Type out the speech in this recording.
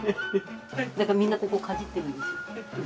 だからみんなここかじってるんですよ。